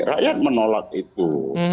rakyat menolak itu